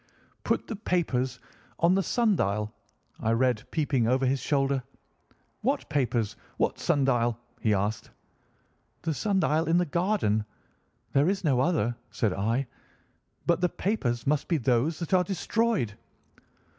"'Put the papers on the sundial,' I read, peeping over his shoulder. "'What papers? What sundial?' he asked. "'The sundial in the garden. There is no other,' said I; 'but the papers must be those that are destroyed.